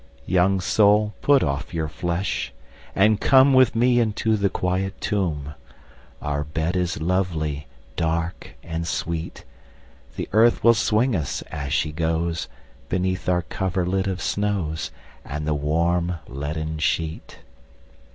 II. Young soul put off your flesh, and come With me into the quiet tomb, Our bed is lovely, dark, and sweet; The earth will swing us, as she goes, Beneath our coverlid of snows, And the warm leaden sheet.